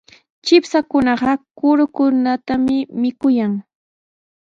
Chipshakunaqa kurukunatami mikuyan.